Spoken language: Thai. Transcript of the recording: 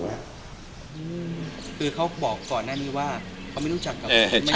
คือเขาบอกก่อนหน้านี้ว่าเขาไม่รู้จักกับคุณแม่